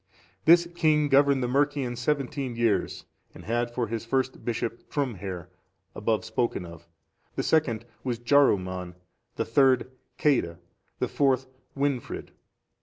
This king governed the Mercians seventeen years, and had for his first bishop Trumhere,(450) above spoken of; the second was Jaruman;(451) the third Ceadda;(452) the fourth Wynfrid.